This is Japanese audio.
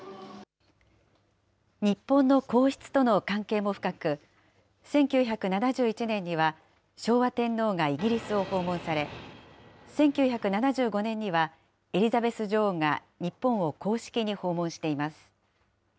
日本の皇室との関係も深く、１９７１年には、昭和天皇がイギリスを訪問され、１９７５年には、エリザベス女王が日本を公式に訪問しています。